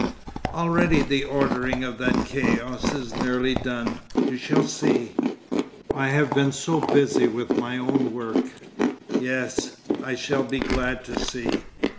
'Already the ordering of that chaos is nearly done. You shall see.' 'I have been so busy with my own work——Yes, I shall be glad to see.